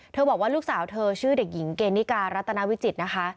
บอกว่าลูกสาวเธอชื่อเด็กหญิงเกณฑิการัตนาวิจิตรนะคะ